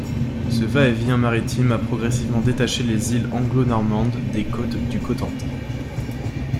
Ce va-et-vient maritime a progressivement détaché les îles Anglo-Normandes des côtes du Cotentin.